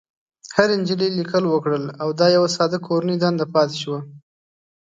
هرې نجلۍ ليکل وکړل او دا يوه ساده کورنۍ دنده پاتې شوه.